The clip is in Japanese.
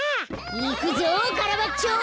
いくぞカラバッチョ！